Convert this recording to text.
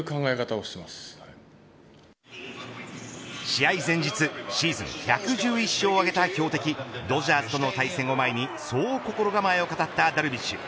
試合前日シーズン１１１勝を挙げた強敵ドジャースとの対戦を前にそう心構えを語ったダルビッシュ。